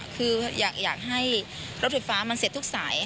คืออยากให้รถไฟฟ้ามันเสร็จทุกสาย